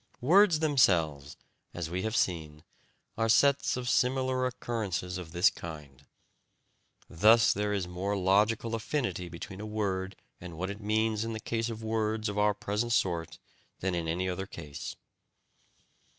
Words themselves, as we have seen, are sets of similar occurrences of this kind. Thus there is more logical affinity between a word and what it means in the case of words of our present sort than in any other case.